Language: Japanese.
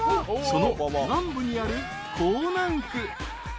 ［その南部にある港南区］